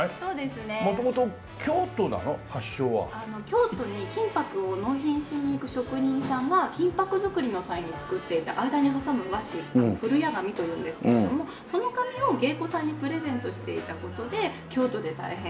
京都に金箔を納品しに行く職人さんが金箔作りの際に作っていた間に挟む和紙がふるや紙というんですけれどもその紙を芸妓さんにプレゼントしていた事で京都で大変。